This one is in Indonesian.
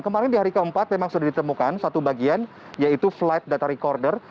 kemarin di hari keempat memang sudah ditemukan satu bagian yaitu flight data recorder